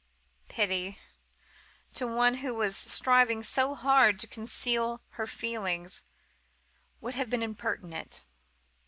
Pity, to one who was striving so hard to conceal her feelings, would have been impertinent.